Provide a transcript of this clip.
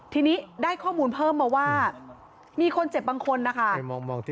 ทีนี้ได้ข้อมูลเพิ่มมาว่ามีคนเจ็บบางคนนะคะ